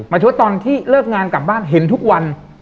ชดตอนที่เลิกงานกลับบ้านเห็นทุกวัน